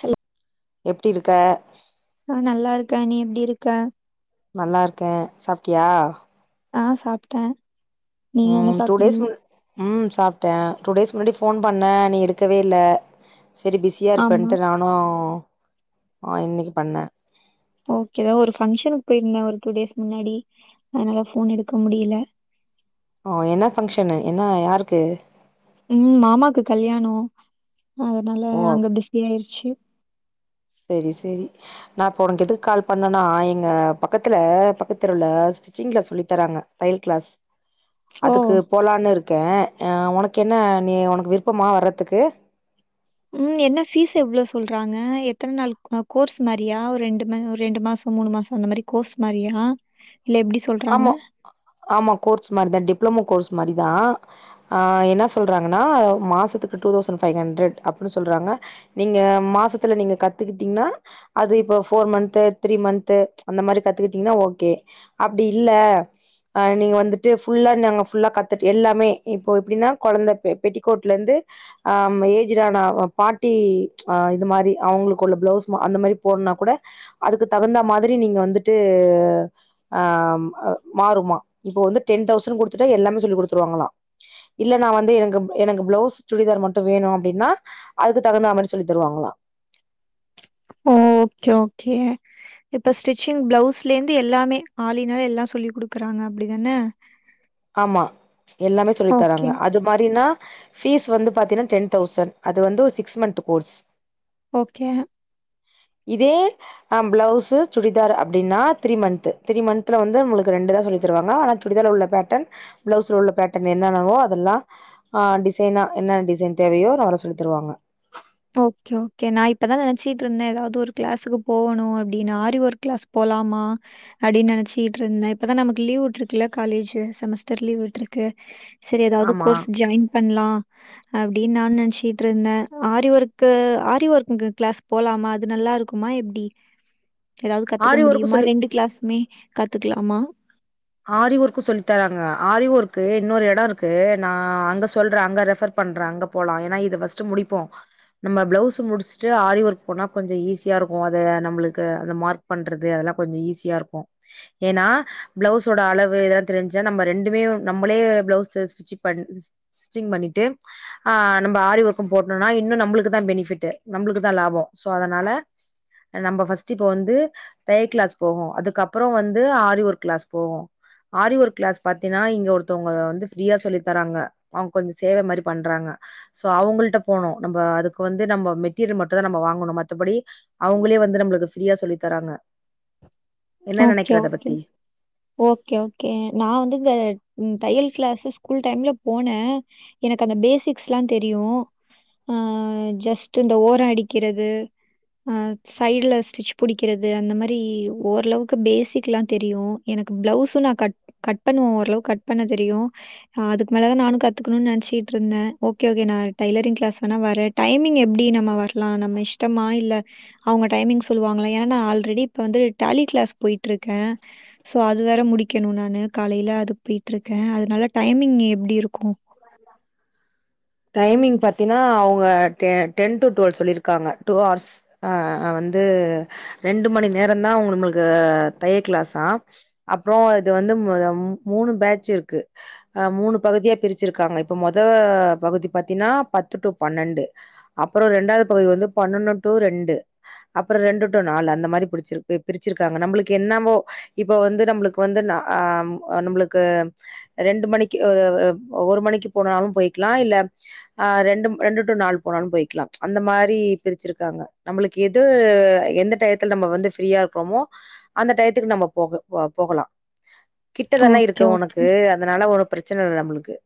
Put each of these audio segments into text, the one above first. Hello எப்டி இருக்க ஆஹ் நல்லா இருக்க நீ எப்டி இருக்க நல்லா இருக்கேன் சாபிட்டியா ஆஹ் சாப்ட்டே நீங்க என்ன சாப்ட்டீங்க உம் சாப்ட்டே டூ டேஸ் முன்னடி ஃபோன் பண்ண நீ எடுக்கவே இல்ல சேரி பிஸியா ஆமா. இருப்பேன்ட்டு நானு ஆஹ் இன்னக்கி பண்ண ஓகே ஒரு பங்க்ஷன்க்கு போயிருந்த ஒரு டூ டேஸ் முன்னடி அதனால ஃபோன் எடுக்க முடியில ஓ என்ன ஃபங்க்ஷனு என்ன யாருக்கு உம் மாமாக்கு கல்யாணோ அதனால ஓ அங்க பிஸ்ஸு ஆய்ருச்சு இப் செரி செரி நா இப்ப உனக் எதுக் கால் பண்ணேனா எங்க பக்கத்துல பக்கத்தெருவுல ஸ்டிச்சிங் கிளாஸ் சொல்லி தராங்க தையல் கிளாஸ் ஓ! அதுக்கு போலான்னு இருக் கே ஆஹ் உனக்கு என்ன நீ உனக்கு விருப்பமா வர்றதுக்கு உம் என்ன ஃபீஸ் எவ்ளோ சொல்றாங்க எத்தன் நாள் ஆஹ் கோர்ஸ் மாரியா ஒரு ரெண்டு [unintelligible] ஒரு ரெண்டு மாசோ மூணு மாசோ இந்த மாரி கோர்ஸ் மாரியா இல்ல எப்டி சொல்றாங்க? ஆமா ஆமா கோர்ஸ் மாரிதா டிப்ளமோ கோர்ஸ் மாரிதா ஆஹ் என்ன சொல்றாங்கன்னா மாசத்துக்கு டூ தௌசண்ட் ஃபைவ் ஹண்ட்ரட் அப்டி சொல்றாங்க நீங்க மாசத்துல நீங்க கத்துகிட்டீங்னா அது இப்ப ஃபோர் மந்த்து த்ரீ மந்த்து அந்த மாரி கத்துக்கிட்டீங்ன்னா ஓகே அப்டி இல்ல அஹ் நீங்க வந்துட்டு ஃபுல்லா நாங்க ஃபுல்லா கத்துட் எல்லாமே இப்போ எப்டின்னா கொழந்த பெ பெட்டிகோட்ல இருந்து அஹ்ம் ஏஜ்டு ஆன பாட்டி ஆஹ் இது மாரி அவங்களுக்கு உள்ள பிளவுஸ் அந்த மாரி போட்னா கூட அதுக்கு தகுந்த மாதிரி நீங்க வந்துட்டு அஹ்ம் அ மாறுமா இப்போ வந்து டென் தௌசண்ட் குடுத்துட்டு எல்லாமே சொல்லி குடுத்துருவாங்களா இல்ல நா வந்து எனக்கு எனக்கு பிளவுஸ் சுடிதார் மட்டு வேணு அப்டின்னா அதுக்கு தகுந்தா மாரி சொல்லி தருவாங்களா ஓகே ஓகே இப்ப ஸ்டிச்சிங் பிளவுஸ்லேந்து எல்லாமே ஆல் ன் ஆல் எல்லா சொல்லி குடுக்குறாங்க அப்டிதான ஆமா எல்லாமே சொல்லி ஓகே, தராங்க அது மாரினா ஃபீஸ் வந்து பாத்தீயன்னா டென் தௌசண்ட் அது வந்து சிக்ஸ் மந்த் கோர்ஸ் ஓகே இதே அ பிளவுஸ் சுடிதார் அப்டின்னா த்ரீ மந்த் த்ரீ மந்த்ல வந்து உங்களுக்கு ரெண்டுதா சொல்லி தருவாங்க ஆனா சுடிதார்ல உள்ள பேட் டன் பிளவுஸ்ல உள்ள பேட்டன் என்னன்னவோ அதெல்லா அ டிசைனா என்னா டிசைன் தேவையோ ஓராளா சொல்லி தருவாங்க ஓகே ஓகே நா இப்பதா நெனச்சிட்ருந்த எதாவ்து ஒரு கிளாஸ்க்கு போகணு அப்டின்னு ஆரி ஒர்க் கிளாஸ் போலாமா அப்டின்னு நெனைச்சிட்ருந்த இப்பதா நமக்கு லீவ் வுட்ருக்குல்ல காலேஜ் செமஸ்டர் லீவ் விட்ருக்கு சரி எதாவது ஆமா கோர்ஸ் ஜாயின் பண்லா அப்படின் நானு நெனச்சிட்ருந்த ஆரி ஒர்க்கு ஆரி ஒர்க்குக்கு கிளாஸ் போலாமா அது நல்லாருக்குமா எப்டி எதாவது கத்துக்க ஆரி ஒர்க்கு முடியுமா சொல்லி ரெண்டு கிளாஸ்ஸுமே கத்துக்லாமா ஆரி ஒர்க்கு சொல்லி தராங்க ஆரி ஒர்க்கு இன்னோரு எடொ ருக்கு நா அங்க சொல்ற அங்க ரெஃபர் பண்ற அங்க போலா ஏன்னா இது ஃபஸ்ட்டு முடிப்போ நம்ம பிளவுஸ் முடிச்சுட்டு ஆரி ஒர்க் போனா கொஞ்ச ஈஸியா ருக்கு அது நம்மளுக்கு அந்த மார்க் பண்றது அதெல்லா கொஞ்சொ ஈஸியா ருக்கும் ஏன்னா ப்ளவுஸ்ஸோட அளவு இதெல்லா தெரிஞ்சா நம்ம ரெண்டுமே நம்மளே பிளவுஸ்ஸ ஸ்டிச் பண் ஸ்டிச்சிங் பண்ணிட்டு ஆ நம்ம ஆரி ஒர்க்கும் போட்டோனா இன்னு நம்மளுக்குதா பெனிஃபிட்டு நம்மளுக்குதா லாபோ ஸோ அதனால நம்ப ஃபஸ்ட்டு இப்போ வந்து தய கிளாஸ் போவொ அதுக்கப்பறொ வந்து ஆரி ஒர்க் கிளாஸ் போவோ ஆரி ஒர்க் கிளாஸ் பாத்தீய்ன்னா இங்க ஒருத்தவங்க வந்து ஃப்ரியா சொல்லி தராங்க அவங் கொஞ்சொ சேவ மாரி பண்றாங்க சோ அவங்கள்ட போணு நம்ப அதுக்கு வந்து நம்ம மெட்டீரியல் மட்டுந்தா நம்ம வாங்கணு மத்தபடி அவங்களே வந்து நம்மளுக்கு ஃப்ரீயா சொல்லி தராங்க என்ன ஓகே, நெனைக்கிற அத ஓகே. பத்தி ஓகே ஓகே நா வந்து இந்த இந் தையல் கிளாஸஸ் ஸ்கூல் டைம்ல போன எனக்கு அந்த பேசிக்ஸ்ல்லா தெரியு அஹ் ஜஸ்ட் இந்த ஓரோ அடிக்கிறது அஹ் சைடுல ஸ்டிச் புடிக்கிறது அந்த மாரி ஓரளவுக்கு பேசிக்ல்லா தெரியு எனக்கு பிளவுஸு நா கட் கட் பண்ணுவ ஓரளவுக்கு கட் பண்ண தெரியு அதுக்கு மேலதா நானு கத்துக்கணுன் நெனச்சுகிட்ருந்த ஓகே ஓகே நா டைய்லரிங் கிளாஸ் வேணா வரே டைமிங் எப்டி நம்ம வரலா நம்ம இஷ்டமா இல்ல அவங்க டைமிங் சொல்லுவாங்களா ஏன்னா ஆல்ரெடி இப்ப வந்து டேலி கிளாஸ் போயிட்ருக்க சோ அது வேற முடிக்கணு நானு காலையில அதுக்கு போயிட்ருக்க அதனால டைமிங் எப்டியிருக்கு டைமிங் பாத்தின்னா அவுங்க டெ டென் டு டுவல் சொல்லிருக்காங்க டூ ஹார்ஸ் அ வந்து ரெண்டு மணி நேரந்தா உங்குளுக்கு தைய கிளாஸா அப்றோ இது வந்து மூ மூனூ பேஜ்ஜு இருக்கு மூணு பகுதியா பிரிச் சிருக்காங்க இப்ப மொத பகுதி பாத்தீன்னா பத்து டு பன்னெண்டு அப்பற ரெண்டாவது பகுதி வந்து பன்னொன்னு டு ரெண்டு அப்பற ரெண்டு டு நாலு அந்த மாரி பிரிச்சு பிரிச்சிருக்காங்க நம்மளுக்கு என்னவோ இப்ப வந்து நம்ளுக்கு வந்து ஆஹ் நம்முளுக்கு ரெண்டு மணிக்கு ஆ ஒரு மணிக்கு போனாலு போய்க்கலா இல்ல ஆஹ் ரெண்டு ரெண்டு டு நாலு போனாலு போய்க்கலா அந்த மாரி பிரிச்சிருக்காங்க நம்மளுக்கு எது எந்த டயத்துல நம்ம வந்து ஃப்ரீயா இருக்கோமோ அந்த டயத்துக்கு நம்ம போக போகலா கிட்டதான இருக்கு ஓகே, ஓகே. உனக்கு அதனால உன பிரச்சன இல்ல நம்ளுக்கு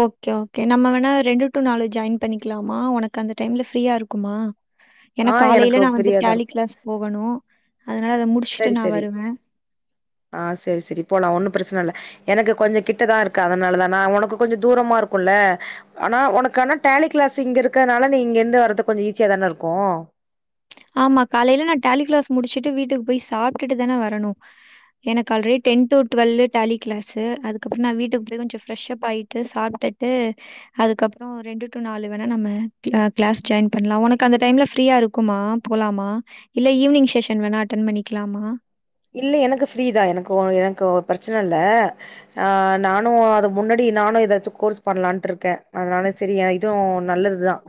ஓகே ஓகே நம்ம வேணா ரெண்டு டு நாலு ஜாயின் பண்ணிக்கலாமா உனக்கு அந்த டைம்ல ஃப்ரீயா இருக்குமா ஏன்னா ஆ காலையில எனக்கு நான் வந்து ஃப்ரீயா தான் டெலி இருக்கும். கிளாஸ் போகணும் அதனால அத முடிச்சுட்டு சரி நான் சரி வருவேன். ஆஹ் சரி சரி போலாம் ஒன்னும் பிரச்சனை இல்லை எனக்கு கொஞ்சம் கிட்டதான் இருக்கு அதனால தான் உனக்கு கொஞ்சம் தூரமா இருக்கும்ல்ல ஆனா உனக்கு ஆனா டேலி கிளாஸ் இங்க இருக்கிறதுனால நீ இங்க இருந்து வர்றது கொஞ்சம் ஈஸியா தான இருக்கும் ஆமாம் காலையில் நான் டேலி கிளாஸ் முடிச்சுட்டு வீட்டுக்கு போய் சாப்பிட்டுட்டு தானே வரணும் எனக்கு already ten to twelve daily class அதுக்கப்புறம் நான் வீட்டுக்கு போய் கொஞ்சம் ஃப்ரெஷ்ஷப் ஆகிட்டு சாப்பிட்டுட்டு அதுக்கப்புறம் ரெண்டு டு நாலு வேணா நம்ம கிளாஸ் ஜாயின் பண்ணலாம் உனக்கு அந்த டைமில் ஃப்ரீயாக இருக்குமா போலாமா இல்ல ஈவி்னிங் செஷன் வேணா அட்டன் பண்ணிக்கலாமா இல்ல எனக்கு ஃப்ரீதான் எனக்கு எனக்கு பிரச்சனை இல்லே ஆஹ் நானும் அது முன்னாடி நானும் ஏதாச்சும் கோர்ஸ் பண்ணலான்ட்டு இருக்கேன் அதனால சரி இதுவும் நல்லதுதான்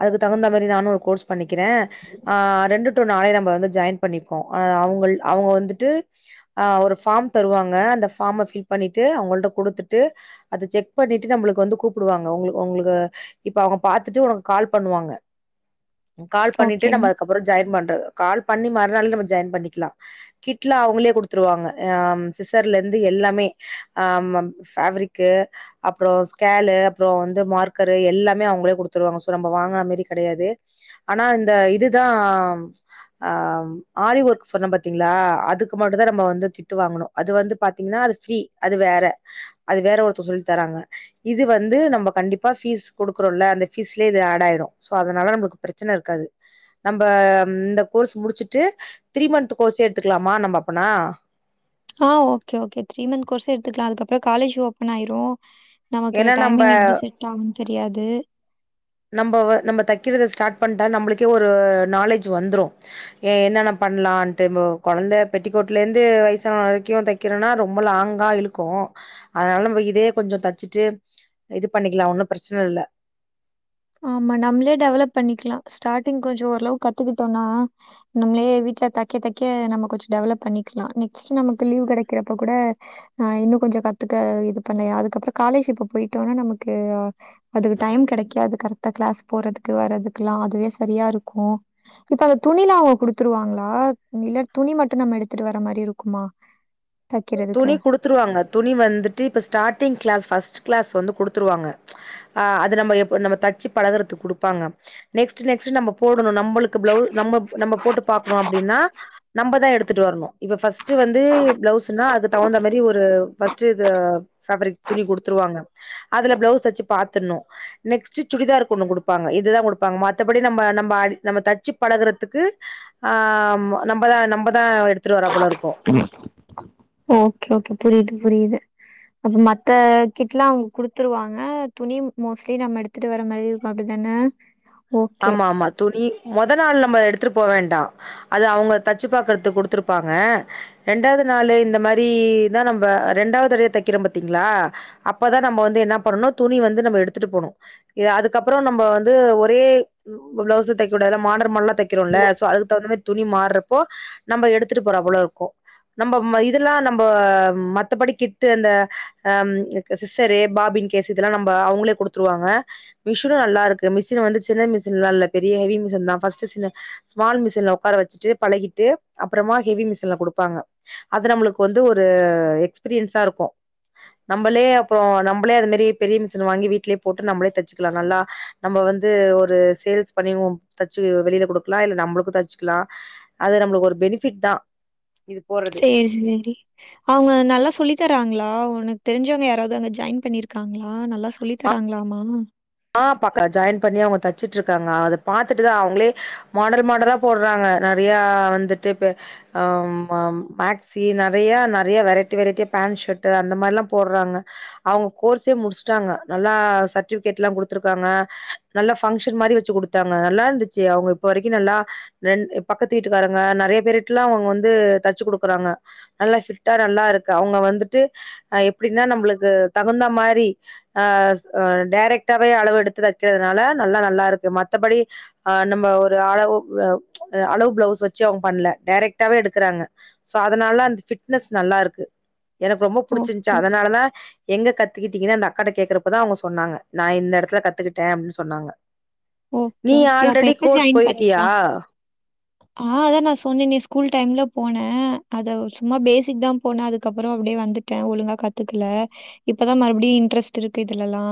அதுக்கு தகுந்த மாறி நானும் ஒரு கோர்ஸ் பண்ணிக் இருக்கிறேன் ஆ ரெண்டு [unintelligible] நம்ம வந்து ஜாயின் பண்ணிக்கோம் அவங்க அவங்க வந்து ந்துட்டு ஒரு ஃபார்ம் தருவாங்க அந்த ஃபார்ம் ஃபில் பண்ணிட்டு அவங்கல்ட குடுத்துட்டு அத செக் பண்ணிட்டு நம்ளுக்கு வந்து கூப்பிடுவாங்க உங்க இப்ப அவங்க பாத்துட்டு உனக்கு கால் பண்ணுவாங்க கால் பண்ணிட்டு ஓகே. நம்ம அதுக்கப்புறம் ஜாயின் பண் [unintelligible] கால் பண்ணி மறுநாள் நம்ம ஜாயின் பண்ணிக்கலாம் கிட்ல அவங்களே குடுத்துருவாங்க ஆஹ சிஸர்ல இருந்து எல்லாமே ஆஹ் ஃபேபரிக்கு அப்புறம் ஸ்கேலு அப்புறம் வந்து மார்க்கரு எல்லாமே அவங்களே கொடுத்துருவாங்கோ நம்ம வாங்கின மாரி கிடையாது ஆனா இந்த இதுதான் ஆஹ ஆரி ஒர்க் சொன்ன பாத்தீங் அதுக்கு முதல்லே நம்ம வந்து கிட்டு வாங்கணும் அது வந்து பாத்தீங்கன்னா அது ஸ்ரீ அது வேற அது வேற ஒருத்தர் சொல்லி தராங்க இது வந்து நம்ம கண்டிப்பா ஃபீஸ் கொடுக்கறோமல்ல அந்த ஃபீஸ்லே ஏட் ஆயிரும்அதனால நமக்கு பிரச்சனை இருக்காது இந்த கோர்ஸ் முடிச்சிட்டு திரீ மன்த் கோர்ஸே எடுத்துக்கலாமா நம்ம அப்பனா ஆஹ் okay okay three month course எடுத்துக்கலாம் அதுக்கப்புறம் காலேஜ் ஓபன் ஆயிரும் நமக்கு ஏன்னா நம்ப டைமிங் எப்டி செட் ஆகும்ன்னு தெரியாது நம்ப நம்ப தைக்கிறதை ஸ்டார்ட் பண்ணிட்டா நம்மளுக்கே ஒரு நாலேஜ் வந்துரும் ஏ என்னென்ன பண்ணலாம்ட்டு குழந்த பெட்டிக்கோட்ல இருந்து வயசான வரைக்கும் தைக்கிறோனா ரொம்ப லாங்கா இழுக்கும் அதனால நம்ம இதே கொஞ்சம் தைச்சுட்டு இது பண்ணிக்கலாம் ஒன்னும் பிரச்சனை இல்லை ஆமா நம்மளே டெவலப் பண்ணிக்கலாம் ஸ்டார்டிங் கொஞ்சம் ஓரளவுக்கு கத்துக்கிட்டோம்னா நம்மளே வீட்ல தைக்க தைக்க நம்ம கொஞ்சம் டெவலப் பண்ணிக்கலாம் நெக்ஸ்ட் நமக்கு லீவ் கிடைக்கிறப்ப கூட ஆஹ இன்னும் கொஞ்சம் கத்துக்க இது பண்ணலாம் அதுக்கப்புறம் காலேஜ் இப்ப போயிட்டோம்னா நமக்கு அது டைம் கிடைக்காது கரெக்டாகிளாஸ் போறதுக்கு வர்றதுக்கு எல்லாம் அதுவே சரியா இருக்கும் இப்ப அந்த துணி எல்லாம் அவங்க குடுத்துருவாங்களா இல்ல துணி மட்டும் நம்ம எடுத்துட்டு வர மாதிரி இருக்குமா துணி தைக்கிறதுக்கு. குடுத்துருவாங்க துணி வந்துட்டு இப்ப ஸ்டார்டிங் கிளாஸ் ஃபர்ஸ்ட் கிளாஸ் வந்து கொடுத்துருவாங்க அஹ் அது நம்ம தச்சு பழகறதுக்கு குடுப்பாங்க நெக்ஸ்ட் நம்ம போடணும் நம்பளுக்கு பிளவுஸ் நம்பளுக்கு போட்டு பாக்கணும் அப்படின்னா நம்ம தான் எடுத்துட்டு வரணும் இ்ப்பஃபஸ்ட் வந்து பிளவுஸ் சொன்னா அதுக்கு தகுந்த மாதிரி ஒருஃபஸ்ட் இது ஃபேபரிக் துணி குடுத்துருவாங்க அதுல பிளவுஸ் தச்சு பார்த்துரணும் நெக்ஸ்ட் சுடிதார்க்கு ஒண்ணு கொடுப்பாங்க இதுதான் குடுப்பாங்க மத்தபடி நம்ம நம்ம அ நம்ம தச்சு பழகுறதுக்கு ஆஹ் நம்மதான் நம்மதான் எடுத்துட்டு வர அவ்ளோ இருக்கும் ஓகே ஓகே புரியுது புரியுது அப்ப மத்த கிட் எல்லாம் அவங்க குடுத்துருவாங்க துணி மோஸ்ட்லி நம்ம எடுத்துட்டு வர மாரி இருக்கும் அப்டித்தான ஆமா ஆமா துணி மொத நாள் நம்ம எடுத்துட்டு போக வேண்டாம் அது அவங்க தச்சு பார்கறத்துக்கு குடுத்துருப்பாங்க ரெண்டாவது நாளு இந்த மாரி தான் நம்ம ரெண்டாவது தடவையா தைக்கிறோம் பாத்தீங்களா அப்பதான் நம்ம வந்து என்ன பண்ணனும் துணி வந்து நம்ம எடுத்துட்டு போகணும் அதுக்கப்புறம் நம்ம வந்து ஒரே பிளவுஸ் தைக்க கூடாது எல்ல மார் மல்ல தைக்கிறோமில்ல சோ அதுக்கு தகுந்த மாரி துணி மாறப்போ நம்ம எடுத்துட்டு போறாப்பளே இருக்கும் நம்ம இதெல்லாம் நம்ம மத்தபடி கிட்டு அந்த அஹ சிரே பாபின் கேஸ் இதெல்லாம் நம்ம அவங்களே குடுத்துருவாங்க மிஷினும் நல்லா இருக்கு மிஷின் வந்து சின்ன இல்லே இல்லே பெரிய ஹெவி மிஷின் தான் ஃபர்ஸ்ட் சின்ன ஸ்மால் மிஷின்ல உட்கார வச்சுட்டு பழகிட்டு அப்புறமா ஹெவி மிஷின்ல குடுப்பாங்க அது நம்மளுக்கு வந்து ஒரு எக்ஸ்பீரியன்ஸா இருக்கும் நம்மளே அம் நம்மளே அது மாதிரி பெரிய மிஷின் வாங்கி வீட்டுலே போட்டு நம்மளே தச்சுக்கலாம் நல்லா நம்மளே வந்து ஒரு சேல்ஸ் பண்ணி தச்சு வெளியில குடுக்கலாம் இல்ல நம்மளுக்கும் தச்சுக்கலாம் அது நம்மளுக்கு ஒரு பெனிஃபிட் தான் சேரி சேரி அவங்க நல்லா சொல்லி தராங்களா உனக்கு தெரிஞ்சவங்க யாராவது அங்க ஜாயின் பண்ணிருக்காங்களா நல்லா சொல்லி தராங்களாமா ஆ ஜாயின் பண்ணி அவங்க தச்சட்டு இருக்காங்க அத பாத்துட்டுதான் அவங்களே மாடல் மாடலா போடுறாங்க நிறைய வந்துட்டு மேக்சி நிறைய நிறைய வெரைட்டி வெரைட்டி பேண்ட் ஷர்ட் அந்த மாதிரி எல்லாம் போடுறாங்க அவங்க கோர்ஸே முடிச்சட்டாங்க நல்லா சர்டிஃபி கட்ல்லா குடுத்துருக்காங்க நல்லா பங்ஷன் மாரி வச்சு குடுத்தாங்க நல்லா இருந்துச்சு அவங்க இப்ப வரைக்கு நல்லா நன் பக்கத்து வீட்டுக்காரங்க நறைய பேருட்டல்லா அவங்க வந்து தச்சு குடுக்குறாங்க நல்லா ஃபிட்டா நல்லா இருக்கு அவுங்க வந்துட்டு எப்படின்னா நம்மளுக்கு தகுந்தா மாரி ஆஹ் ஆ டைரக்ட் டாவே அளவு எடுத்து தைக்கிறதுனால நல்லா நல்லா இருக்கு மத்தபடி அஹ் நம்ம ஒரு அளவு வு ச் அளவு பிளவுஸ் வச்சு அவங்க பண்ணல டைரெக்டாவே எடுக்கறாங்க சோ அதனால அந்த ஃபிட்னஸ் நல்லாருக்கு எனக்கு ரொம்ப புடிச்சிருந்ச்சு ஓகே, அதனாலதா எங்க க த்துக்கிட்டிங்கன்னு அந்தக்காட்ட கேக்குறப்பதா அவுங்க சொன்னாங்க. நா இந்த எடத்துல கத்துகிட்டே அப்டின்னு சொன்னாங்க நீ ஓகே ஓகே அப்ப ஆல்ரெடி எப்ப கோர்ஸ் ஜாய்ன் போயிருக்கியா பண்ணிக்கலா ஆ அதா நா சொன்னனே ஸ்கூல் டைம் ல போன ஆ அது சும்மா பேசிக் தா போனே அதுக்கப்பற அப்டியே வந்துட்ட ஒழுங்கா கத்துக்கல இப்பதா மறுபடியு இன்ட்ரஸ்ட் இருக்கு இதுல லா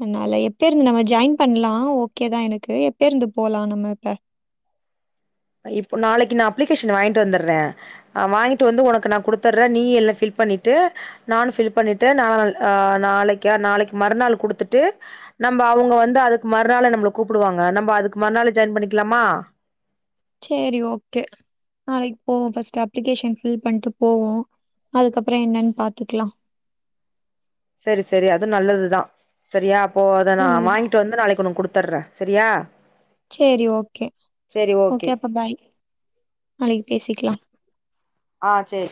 அதனால எப்ப இருந்து நம்ம ஜாயின் பண்லா ஒ க்கேதா எனக்கு எப்ப இருந்து போலா நம்ம இப்ப இப்ப நாளைக்கு நா அப்ளிகேஷன வாங்கிட்டு வந்தர்றே வாங்கிட்டு வந்து உனக்கு நா குடுத்தர்றே நீயு எல்லா ஃபில் பண்ணிட்டு நானு ஃபில் பண்ணிட்டு நாள் நாளைக்கா நாளைக்கு மறுநாள் குடுத்துட்டு நம்ம அவுங்க வந்து அதுக்கு மறுநாளே நம்மள கூப்புடுவாங்க நம்ப அதுக்கு மறுநாளே ஜாயின் பண்ணிக்கலாமா சேரி ஓகே நாளைக்கு போவோ ஃபஸ்ட்டு அப்ளிகேஷன் ஃபில் பண்ட்டு போவோ அதுக்கப்புற என்னன்னு பாத்துக்கலா சரி சரி அது நல்லதுதா சரியா இப்போ அத நா சரி. வாங்கிட்டு வந்து நாளைக்கு உனக்கு குடுத்தர்றே சரியா சரி ஓகே ஓகே அப்ப பாய் நாளைக்கு பேசிக்கலா ஆ சேரி